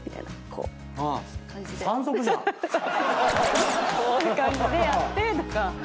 こういう感じでやってとか。